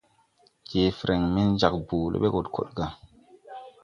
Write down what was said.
Je freŋ men jāg boole ɓɛ go de kod gà.